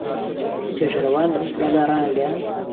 توێژەرەوان لە ئوسترالیا ڕایانگەیاند